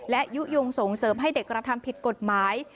และยุโยงส่งเสริมให้เด็กกระทำผิดกฎหมาย